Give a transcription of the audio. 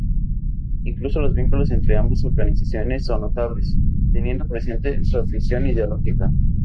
Incluso los vínculos entre ambas organizaciones son notables, teniendo presente su afinidad ideológica.